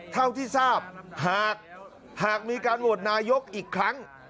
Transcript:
เท่าที่ทราบหากมีการโหวตนายกอีกครั้ง